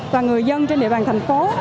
và người dân trên địa bàn thành phố